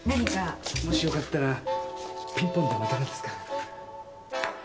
もしよかったらピンポンでもいかがですか？